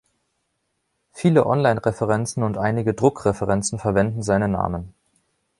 Viele Online-Referenzen und einige Druckreferenzen verwenden seinen Namen.